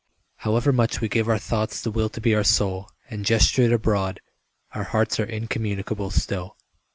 However much we give our thoughts the will To be our soul and gesture it abroad, Our hearts are incommunicable still.